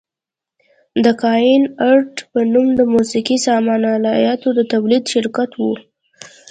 د کاین ارټ په نوم د موسقي سامان الاتو د تولید شرکت و.